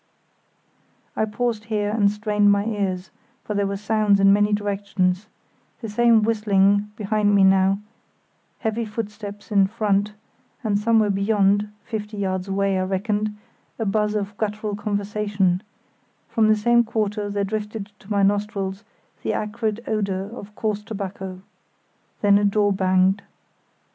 I paused here and strained my ears, for there were sounds in many directions; the same whistling (behind me now), heavy footsteps in front, and somewhere beyond—fifty yards away, I reckoned—a buzz of guttural conversation; from the same quarter there drifted to my nostrils the acrid odour of coarse tobacco. Then a door banged.